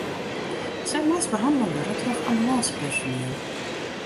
Sy moast behannele wurde troch ambulânsepersoniel.